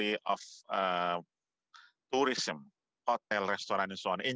di turisme hotel restoran dan sebagainya